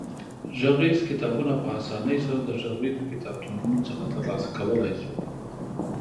غږیز کتابونه په اسانۍ سره د غږیزو کتابتونونو څخه ترلاسه کولای شو.